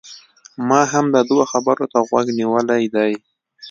ما هم د ده و خبرو ته غوږ نيولی دی